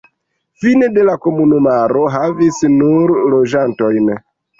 Fine de la komunumaro havis nur loĝantojn.